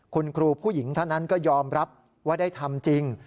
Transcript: คุณครูผู้หญิงท่านนั้นก็ยอมรับว่าได้ทำจริง